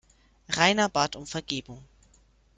Rainer bat um Vergebung.